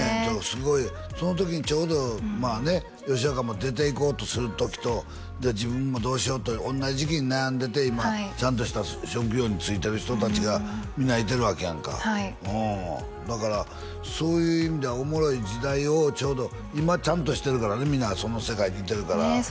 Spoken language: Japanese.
すごいその時にちょうどまあね吉岡も出ていこうとする時と自分もどうしよう？と同じ時期に悩んでて今ちゃんとした職業に就いてる人達が皆いてるわけやんかだからそういう意味ではおもろい時代をちょうど今ちゃんとしてるからね皆がその世界にいてるからねえ